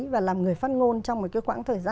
và làm người phát ngôn trong một cái quãng thời gian